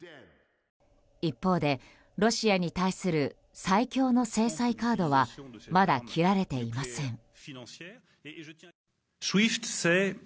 一方でロシアに対する最強の制裁カードはまだ切られていません。